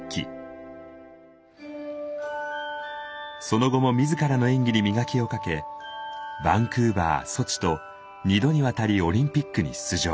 その後も自らの演技に磨きをかけバンクーバーソチと２度にわたりオリンピックに出場。